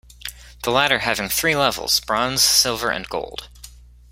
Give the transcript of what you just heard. The latter having three levels, Bronze, Silver and Gold.